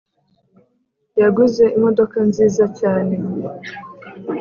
Yaguze imodoka nziza cyane